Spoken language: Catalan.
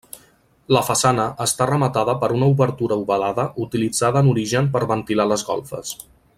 La façana està rematada per una obertura ovalada utilitzada en origen per ventilar les golfes.